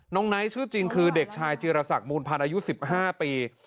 น้องไนท์ชื่อจริงคือเด็กชายจิรศักดิ์มูลพรรณอายุ๑๕ปี